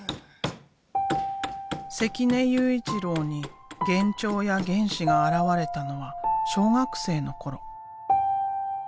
関根悠一郎に幻聴や幻視が現れたのは小学生の頃。